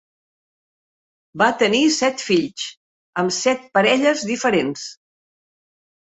Va tenir set fills amb set parelles diferents.